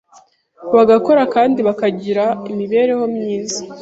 bagakora kandi bakagira imibereho myiza.